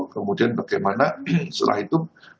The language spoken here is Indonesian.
kemudian bagaimana setelah itu